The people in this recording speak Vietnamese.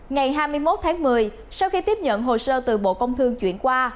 ngày hai mươi một tháng một mươi sau khi tiếp nhận hồ sơ từ bộ công thương chuyển qua